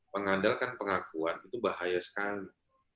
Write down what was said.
mengandalkan pengakuan itu bahaya sekali